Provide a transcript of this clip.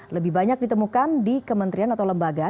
lebih banyak ditemukan di kementerian atau lembaga